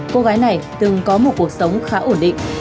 cô gái này từng có một cuộc sống khá ổn định